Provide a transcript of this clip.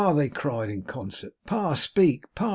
they cried in concert. 'Pa! Speak, Pa!